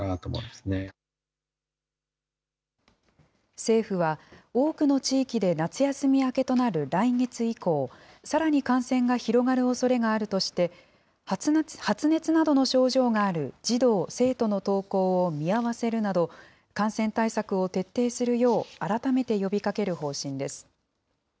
政府は、多くの地域で夏休み明けとなる来月以降、さらに感染が広がるおそれがあるとして、発熱などの症状がある児童・生徒の登校を見合わせるなど、感染対策を徹底するよう改めて呼びかける方針です。